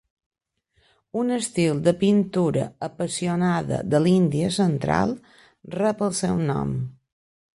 Un estil de pintura apassionada de l'Índia central rep el seu nom.